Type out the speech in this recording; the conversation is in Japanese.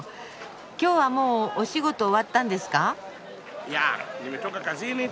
今日はもうお仕事終わったんですか？